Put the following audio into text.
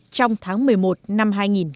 trong tháng một mươi một năm hai nghìn một mươi chín